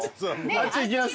あっち行きます。